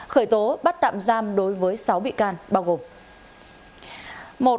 khởi tố bắt tạm giam đối với sáu bị can bao gồm